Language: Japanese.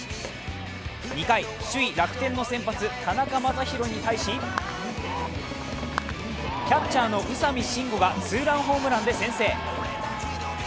２回、首位・楽天の先発田中将大に対しキャッチャーの宇佐美真吾がツーランホームランで先制。